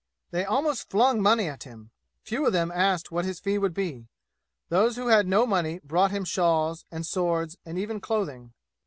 They almost flung money at him. Few of them asked what his fee would be. Those who had no money brought him shawls, and swords, and even clothing.